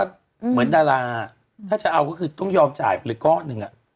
เหมือนดาราถ้าจะเอาก็คือต้องยอมจ่ายไปเลยก้อนหนึ่ง